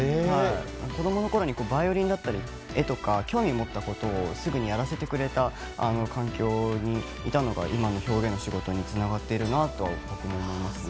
子供のころにバイオリンだったり絵とか、興味を持ったことをすぐにやらせてくれた環境にいたのが今の表現の仕事につながっているなと思いますね。